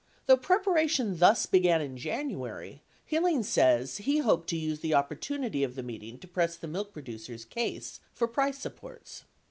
82 Though preparation thus began in J anuary, Hillings says he hoped to use the opportunity of the meeting to press the milk producers' case for price supports.